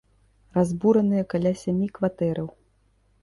Разбураныя каля сямі кватэраў.